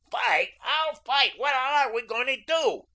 "Fight! How fight? What ARE you going to do?"